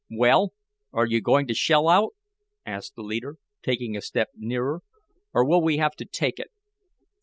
"Well, are you going to shell out?" asked the leader, taking a step nearer, "or will we have to take it?"